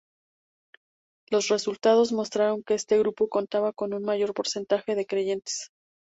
Los resultados mostraron que este grupo contaba con un mayor porcentaje de creyentes.